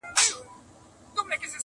په وهلو یې ورمات کړله هډونه-